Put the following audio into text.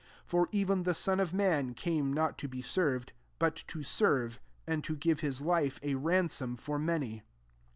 45 For even the Son of man came not to be served, but to serve ; and to give his life a ransom for many.